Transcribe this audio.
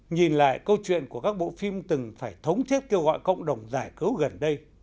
nhìn lại câu chuyện của các bộ phim từng phải thống thiết kêu gọi cộng đồng giải cứu gần đây